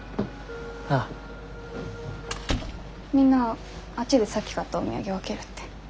みんなあっちでさっき買ったお土産分けるって。